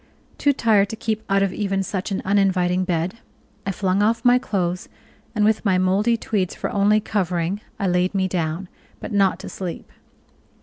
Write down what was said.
Too tired to keep out of even such an uninviting bed, I flung off my clothes, and with my moldy tweeds for only covering I laid me down, but not to sleep.